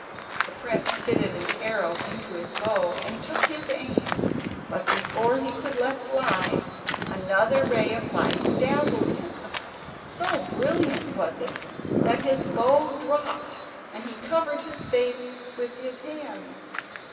The prince fitted an arrow into his bow and took his aim, but, before he could let fly, another ray of light dazzled him; so brilliant was it, that his bow dropped, and he covered his face with his hands.